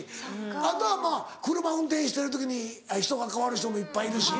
あとはまぁ車運転してる時に人が変わる人もいっぱいいるし。